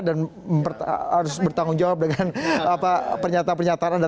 dan harus bertanggung jawab dengan pernyataan pernyataan anda